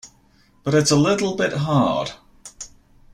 But it's a little bit hard.